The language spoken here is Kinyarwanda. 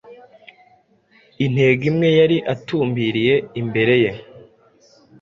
Intego imwe yari atumbiriye imbere ye